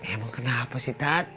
emang kenapa sih tat